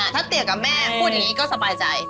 ถ้าเตี๋ยกับแม่พูดอย่างนี้ก็สบายใจ